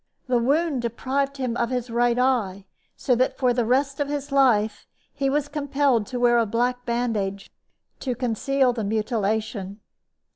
The wound deprived him of his right eye, so that for the rest of his life he was compelled to wear a black bandage to conceal the mutilation.